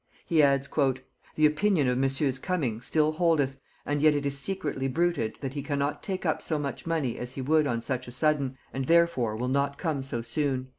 He adds, "The opinion of Monsieur's coming still holdeth, and yet it is secretly bruited that he cannot take up so much money as he would on such a sudden, and therefore will not come so soon."